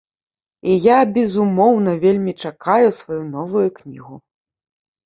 І я, безумоўна, вельмі чакаю сваю новую кнігу.